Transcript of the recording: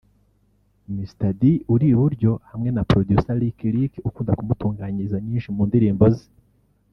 Mr D (uri i buryo) hamwe na Producer Licky Licky ukunda kumutunganyiriza nyinshi mu ndirimbo ze